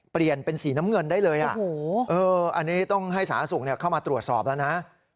เปลี่ยนเป็นสีน้ำเงินได้เลยอันนี้ต้องให้สาธารณสุขเข้ามาตรวจสอบแล้วนะ